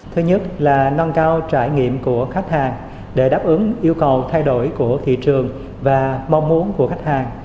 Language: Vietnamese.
thứ nhất là nâng cao trải nghiệm của khách hàng để đáp ứng yêu cầu thay đổi của thị trường và mong muốn của khách hàng